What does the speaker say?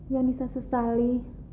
yang bisa sesali